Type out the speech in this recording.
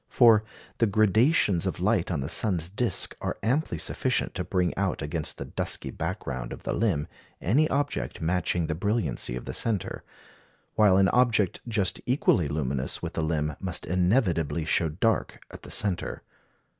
For the gradations of light on the sun's disc are amply sufficient to bring out against the dusky background of the limb any object matching the brilliancy of the centre; while an object just equally luminous with the limb must inevitably show dark at the centre.